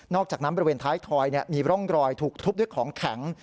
อกจากนั้นบริเวณท้ายถอยมีร่องรอยถูกทุบด้วยของแข็ง